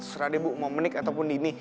serah deh ibu mau menik ataupun dini